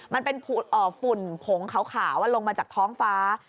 มันเป็นฝุ่นผงขาวลงมาจากท้องฟ้า